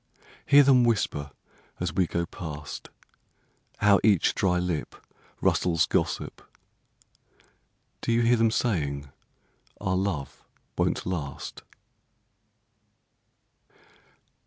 Hear them whisper as we go past. How each dry lipRustles gossip! Do you hear them saying our love won't last?